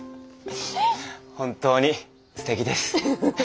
本当にすてきです。